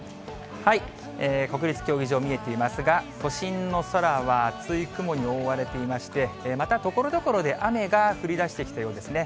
国立競技場、見えていますが、都心の空は厚い雲に覆われていまして、またところどころで雨が降りだしてきたようですね。